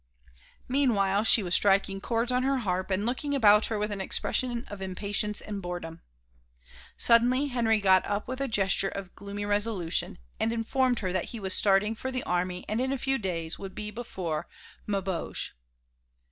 Meanwhile she was striking chords on her harp and looking about her with an expression of impatience and boredom. Suddenly Henry got up with a gesture of gloomy resolution and informed her that he was starting for the army and in a few days would be before Maubeuge.